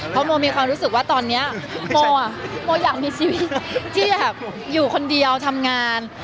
เพราะโมมีความรู้สึกว่าตอนนี้โมโมอยากมีชีวิตที่อยากอยู่คนเดียวทำงาน